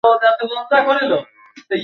তুমি কখনই রোহানকে বিয়ে করতে, রাজি হবে না।